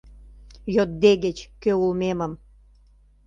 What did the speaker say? Йоддегеч кӧ улмемым